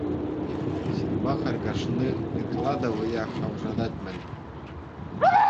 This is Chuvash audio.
Ҫынпа харкашни ытла та вӑя хавшатать-мӗн.